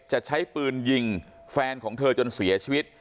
จะใช้ปืนยิงแฟนของเธอจนเสียชีวิต